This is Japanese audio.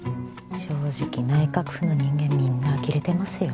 正直内閣府の人間みんなあきれてますよ。